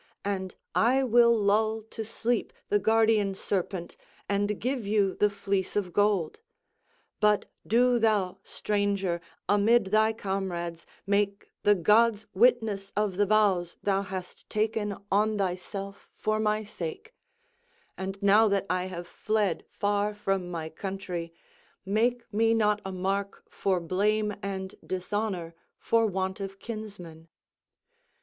And I will lull to sleep the guardian serpent and give you the fleece of gold; but do thou, stranger, amid thy comrades make the gods witness of the vows thou hast taken on thyself for my sake; and now that I have fled far from my country, make me not a mark for blame and dishonour for want of kinsmen."